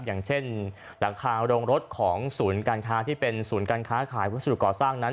อย่างเช่นหลังคาโรงรถของศูนย์การค้าที่เป็นศูนย์การค้าขายวัสดุก่อสร้างนั้น